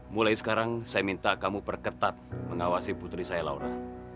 mulai sekarang saya minta kamu perketat mengawasi putri saya laura